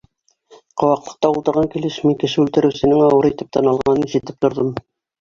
Ҡыуаҡлыҡта ултырған килеш мин кеше үлтереүсенең ауыр итеп тын алғанын ишетеп торҙом.